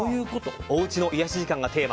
おうちの癒やしがテーマ。